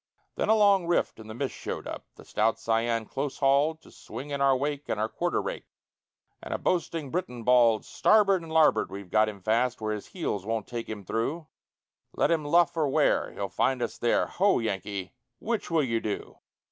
Then a long rift in the mist showed up The stout Cyane, close hauled To swing in our wake and our quarter rake, And a boasting Briton bawled: "Starboard and larboard, we've got him fast Where his heels won't take him through; Let him luff or wear, he'll find us there, Ho, Yankee, which will you do?"